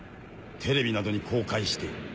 テレビなどに公開して。